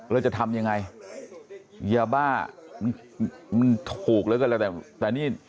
เราจะทำยังไงอย่าบ้าถูกเลยก็แล้วแต่นี่